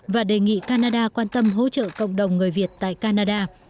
và đề nghị canada quan tâm hỗ trợ cộng đồng người việt tại canada